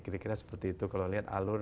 kira kira seperti itu kalau lihat alur